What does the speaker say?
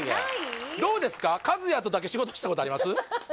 どうですかかずやとだけ仕事したことあります？